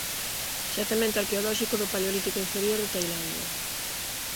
Xacemento arqueolóxico do Paleolítico Inferior de Tailandia.